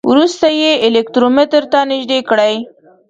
وروسته یې الکترومتر ته نژدې کړئ.